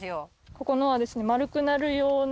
ここのはですね。